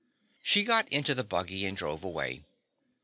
She got into the buggy and drove away.